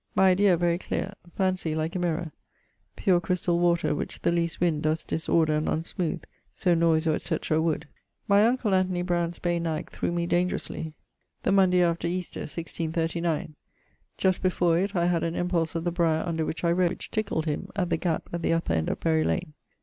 My idea very cleer; phansie like a mirrour, pure chrystal water which the least wind does disorder and unsmooth so noise or etc. would. My uncle Anthony Browne's bay nag threw me dangerously the Monday after Easter, 1639. Just before it I had an impulse of the briar under which I rode, which tickled him, at the gap at the upper end of Berylane.